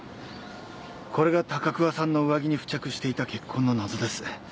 これが高桑さんの上着に付着していた血痕の謎です。